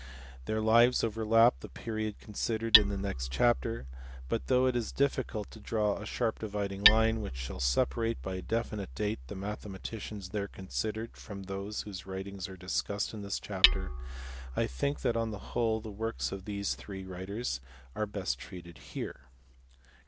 Their lives overlap the period considered in the next chapter, but, though it is difficult to draw a sharp dividing line which shall separate by a definite date the mathematicians there considered from those whose writings are discussed in this chapter, I think that on the whole the works of these three writers are best treated here.